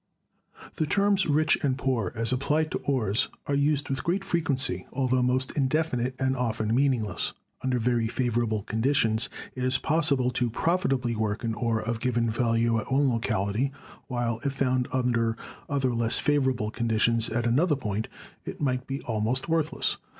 The terms 'rich' and 'poor,' as applied to ores, are used with great frequency, altho most indefinite and often MINING AND METALLURGY 281 meaningless. Under very favorable conditions it is pos sible to profitably work an ore of given value at one lo cality, while if found under other less favorable condi tions at another point it might be almost worthless.